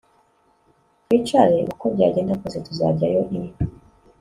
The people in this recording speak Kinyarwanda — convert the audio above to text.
twicare uko byagenda kose tuzajyayo i